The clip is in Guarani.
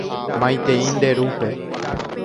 Maitei nde rúpe.